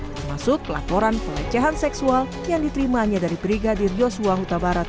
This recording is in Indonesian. termasuk pelaporan pelecehan seksual yang diterimanya dari brigadir yosua huta barat